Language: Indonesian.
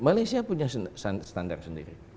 malaysia punya standar sendiri